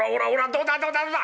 どうだどうだどうだ。